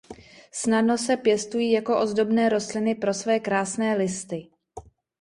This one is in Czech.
Snadno se pěstují jako ozdobné rostliny pro své krásné listy.